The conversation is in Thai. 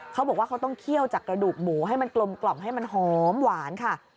เขาบอกว่าเขาต้องเคี่ยวจากกระดูกหมูให้มันกลมให้มันหอมหวานค่ะ